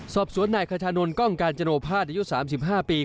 สอบสวนนายคชานนท์กล้องการจโนภาษณอายุ๓๕ปี